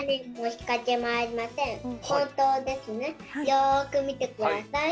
よく見てください。